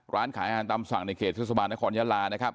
ร้านขายอาหารตามสั่งในเขตเทศบาลนครยาลานะครับ